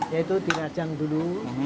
yaitu dirajang dulu